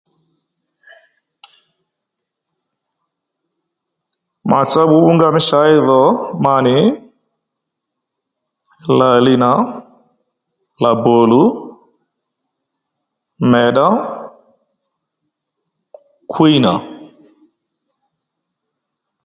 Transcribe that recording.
Mà tsá pbǔpbú nga mí chǎy dho ma nì làli nà labolu mèddá kwí nà